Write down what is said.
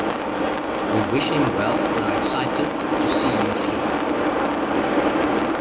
We wish him well and are excited to see you soon.